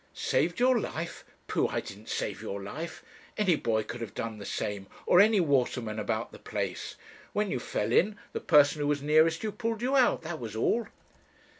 'Saved your life! Pooh! I didn't save your life. Any boy could have done the same, or any waterman about the place. When you fell in, the person who was nearest you pulled you out, that was all.'